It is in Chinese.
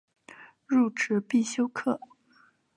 入职必修课